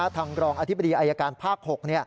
รองอธิบดีอายการภาค๖